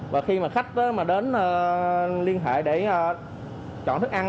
và khi mà khách mà đến liên hệ để chọn thức ăn